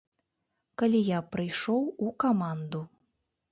Калі я прыйшоў у каманду.